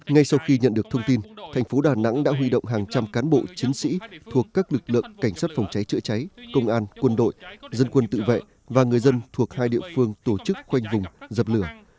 ngay sau khi nhận được thông tin thành phố đà nẵng đã huy động hàng trăm cán bộ chiến sĩ thuộc các lực lượng cảnh sát phòng cháy chữa cháy công an quân đội dân quân tự vệ và người dân thuộc hai địa phương tổ chức khoanh vùng dập lửa